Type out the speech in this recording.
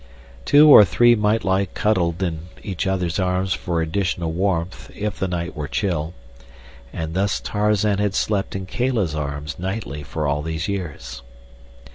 Two or three might lie cuddled in each other's arms for additional warmth if the night were chill, and thus Tarzan had slept in Kala's arms nightly for all these years.